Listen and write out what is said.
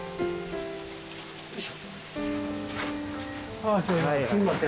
ああすみません